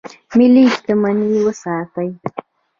ملي شتمني وساتئ